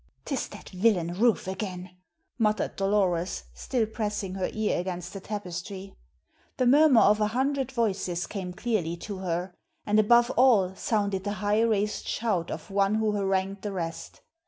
"'Tis that villain Rufe again!" muttered Dolores, still pressing her ear against the tapestry. The murmur of a hundred voices came clearly to her, and above all sounded the high raised shout of one who harangued the rest.